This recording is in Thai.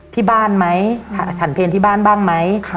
ที่บ้านไหมฉันเพลงที่บ้านบ้างไหม